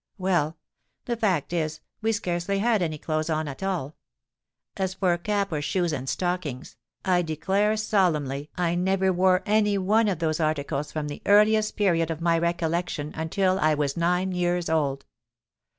Well—the fact is we scarcely had any clothes on at all. As for a cap or shoes and stockings, I declare solemnly I never wore any one of those articles from the earliest period of my recollection until I was nine years old.